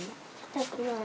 痛くない。